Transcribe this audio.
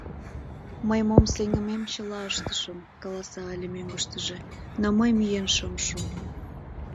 «Мый мом сеҥымем чыла ыштышым, каласа ыле мӧҥгыштыжӧ, — но мый миен шым шу.